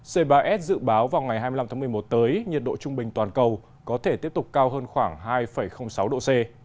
c ba s dự báo vào ngày hai mươi năm tháng một mươi một tới nhiệt độ trung bình toàn cầu có thể tiếp tục cao hơn khoảng hai sáu độ c